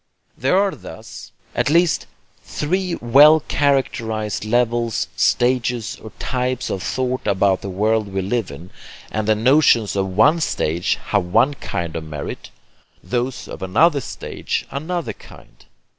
There are thus at least three well characterized levels, stages or types of thought about the world we live in, and the notions of one stage have one kind of merit, those of another stage another kind.